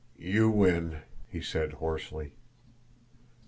"You win!" he said hoarsely.